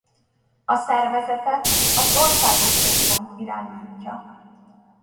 A szervezetet az Országos Központ irányítja.